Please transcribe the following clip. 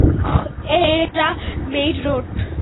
এটা main road.